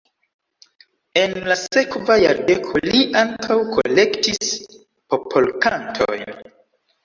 En la sekva jardeko li ankaŭ kolektis popolkantojn.